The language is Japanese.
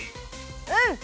うん！